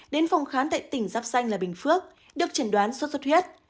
đến phòng khán tại tỉnh giáp xanh là bình phước được triển đoán xuất xuất huyết